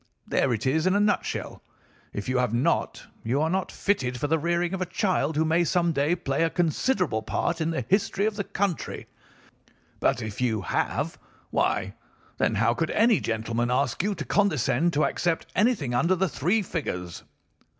There it is in a nutshell. If you have not, you are not fitted for the rearing of a child who may some day play a considerable part in the history of the country. But if you have why, then, how could any gentleman ask you to condescend to accept anything under the three figures?